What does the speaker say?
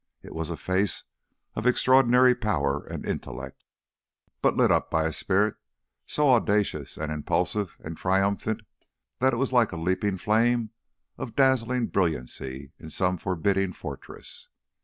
It was a face of extraordinary power and intellect, but lit up by a spirit so audacious and impulsive and triumphant that it was like a leaping flame of dazzling brilliancy in some forbidding fortress.